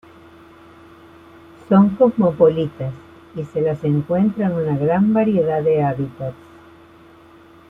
Son cosmopolitas y se las encuentra en una gran variedad de hábitats.